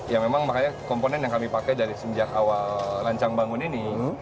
ya memang makanya komponen yang kami pakai dari sejak awal lancang bangun ini